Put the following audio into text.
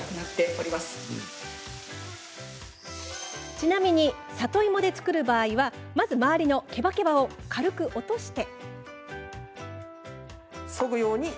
ちなみに、里芋で作る場合はまず周りのけばけばを軽く落として。